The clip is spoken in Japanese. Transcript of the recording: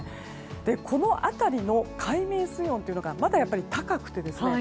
この辺りの海面水温というのがまだやっぱり、高くてですね。